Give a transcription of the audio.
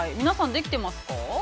皆さん、できてますか？